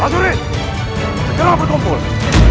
maksudnya segera bertumpul